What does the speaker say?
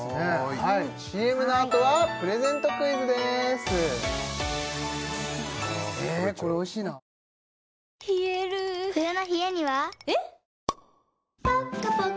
はいＣＭのあとはプレゼントクイズです野菜は生命体だ。